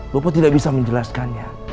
popo tidak bisa menjelaskannya